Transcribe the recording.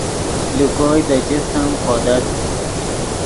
لے کوئے دے جفت ام خودت